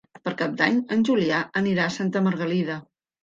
Per Cap d'Any en Julià anirà a Santa Margalida.